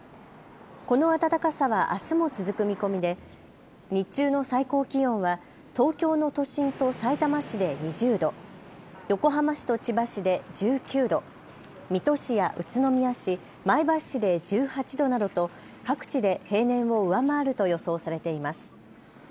この暖かさはあすも続く見込みで日中の最高気温は東京の都心とさいたま市で２０度、横浜市と千葉市で１９度、水戸市や宇都宮市、前橋市で１８度などと各地で平年を上回ると予想されています。